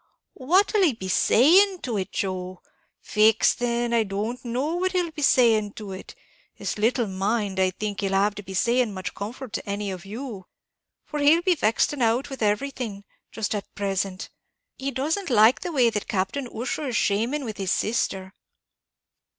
"What'll he be saying to it, Joe! Faix then I don't know what he'll be saying to it; it's little mind, I think, he'll have to be saying much comfort to any of you; for he'll be vexed and out with everything, jist at present. He doesn't like the way that Captain Ussher is schaming with his sister."